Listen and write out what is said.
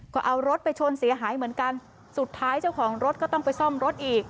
ก็เอารถไปชนเสียหายเหมือนกันสุดท้ายเจ้าของรถก็ต้องไปซ่อมรถอีก